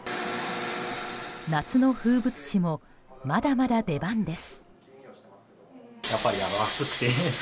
夏の風物詩もまだまだ出番です。